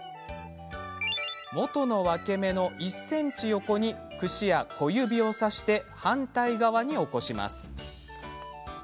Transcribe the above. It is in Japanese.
もとの分け目の１ｃｍ横にクシや小指を挿して反対側に起こします。